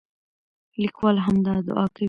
لیکوال همدا دعا کوي.